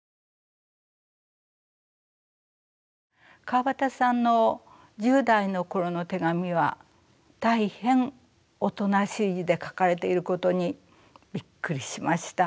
川端さんの１０代の頃の手紙は大変おとなしい字で書かれていることにびっくりしました。